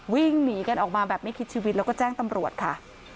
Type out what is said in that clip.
วิ่งหนีกันออกมาแบบไม่คิดชีวิตแล้วก็แจ้งตำรวจค่ะ